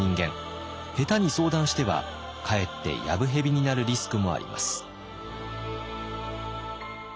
下手に相談してはかえってやぶへびになるリスクもあります。